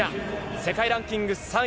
世界ランキング３位。